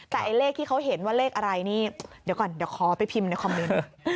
แต่ไอ้เลขที่เขาเห็นว่าเลขอะไรนี่เดี๋ยวก่อนเดี๋ยวขอไปพิมพ์ในคอมเมนต์